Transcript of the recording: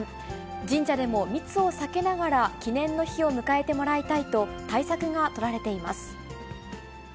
神社でも密を避けながら記念の日を迎えてもらいたいと対策が取られています。